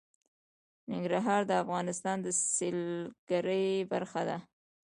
ننګرهار د افغانستان د سیلګرۍ برخه ده.